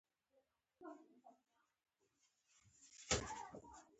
دا خبره د چارټېست غورځنګ په تګلاره کې روښانه شوې.